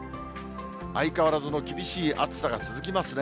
相変わらずの厳しい暑さが続きますね。